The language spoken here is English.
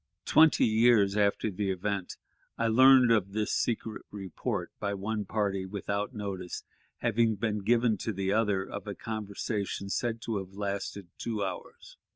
Twenty years after the event, I learned of this secret report, by one party, without notice having been given to the other, of a conversation said to have lasted two hours.